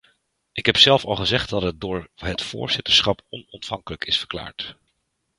Ik heb zelf al gezegd dat het door het voorzitterschap onontvankelijk is verklaard.